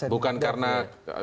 bukan karena ke apa